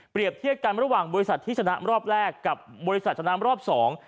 เปรียบเทียบกันระหว่างบริษัทธิสนามรอบแรกกับบริษัทสนามรอบสอง